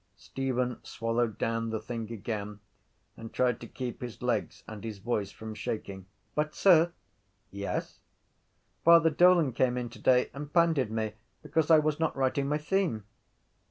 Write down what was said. Stephen swallowed down the thing again and tried to keep his legs and his voice from shaking. —But, sir... —Yes? —Father Dolan came in today and pandied me because I was not writing my theme.